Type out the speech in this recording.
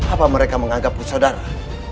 apa mereka menganggapku saudara